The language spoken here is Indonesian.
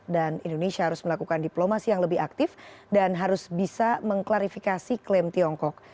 dan indonesia harus melakukan diplomasi yang lebih aktif dan harus bisa mengklarifikasi klaim tiongkok